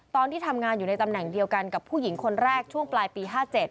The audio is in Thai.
ตอนที่ทำงานอยู่ในตำแหน่งเดียวกันกับผู้หญิงคนแรกช่วงปลายปี๕๗